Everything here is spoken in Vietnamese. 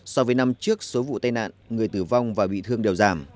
so với năm trước số vụ tai nạn người tử vong và bị thương đều giảm